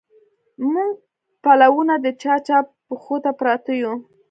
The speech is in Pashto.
موږه پلونه د چا، چا پښو ته پراته يو